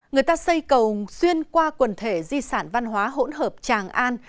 người ta xây cầu xuyên qua quần thể di sản văn hóa hỗn hợp tràng an